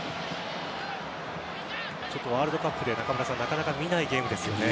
ワールドカップではなかなか見ないゲームですね。